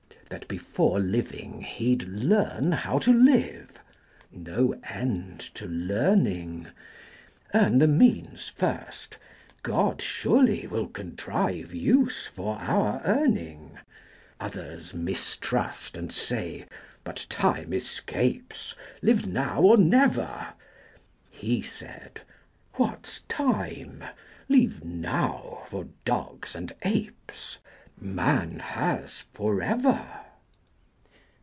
That before living he'd learn how to live No end to learning: Earn the means first God surely will contrive Use for our earning. 80 Others mistrust and say, "But time escapes: Live now or never!" He said, "What's time? Leave Now for dogs and apes! Man has Forever."